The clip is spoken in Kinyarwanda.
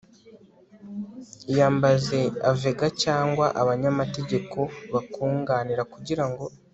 iyambaze avega cyangwa abanyamategeko bakunganira kugira ngo